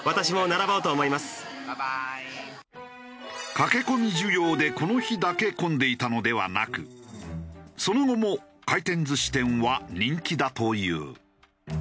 駆け込み需要でこの日だけ混んでいたのではなくその後も回転寿司店は人気だという。